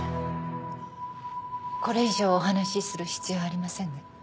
これ以上お話しする必要はありませんね。